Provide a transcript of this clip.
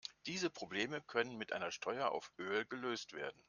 Diese Probleme können mit einer Steuer auf Öl gelöst werden.